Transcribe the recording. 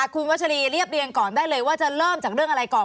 คุณวัชรีเรียบเรียงก่อนได้เลยว่าจะเริ่มจากเรื่องอะไรก่อน